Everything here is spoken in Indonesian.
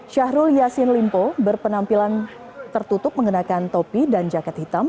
syahrul yassin limpo berpenampilan tertutup mengenakan topi dan jaket hitam